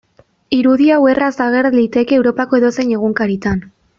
Irudi hau erraz ager liteke Europako edozein egunkaritan.